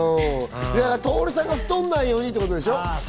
徹さんが太らないようにってことでしょ。